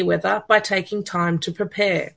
dengan mengambil waktu untuk berprepara